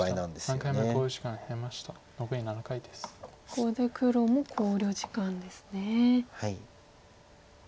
ここで黒も考慮時間ですね。